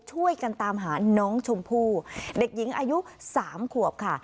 ช่วยกันตามหาน้องชมพู่เด็กหญิงอายุ๓ขวบค่ะ